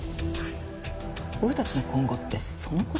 俺たちの今後ってその事？